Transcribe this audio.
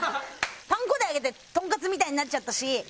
パン粉で揚げてトンカツみたいになっちゃったし。